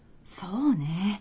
そうね。